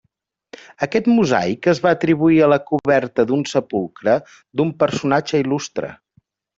Aquest mosaic es va atribuir a la coberta d'un sepulcre d'un personatge il·lustre.